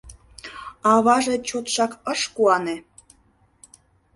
Аваже чотшак ыш куане.